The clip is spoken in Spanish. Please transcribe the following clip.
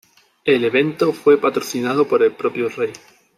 El evento fue patrocinado por el propio Rey.